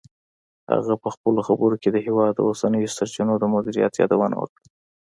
هغه په خپلو خبرو کې د هېواد د اوبو سرچینو د مدیریت یادونه وکړه.